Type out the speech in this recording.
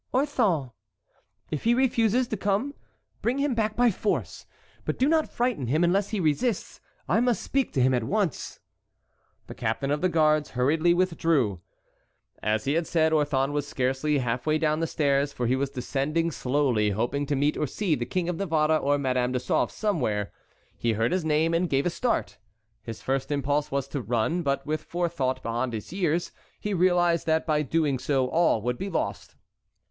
"Orthon. If he refuses to come bring him back by force; but do not frighten him unless he resists. I must speak to him at once." The captain of the guards hurriedly withdrew. As he had said, Orthon was scarcely half way down the stairs, for he was descending slowly, hoping to meet or see the King of Navarre or Madame de Sauve somewhere. He heard his name and gave a start. His first impulse was to run, but with forethought beyond his years he realized that by doing so all would be lost.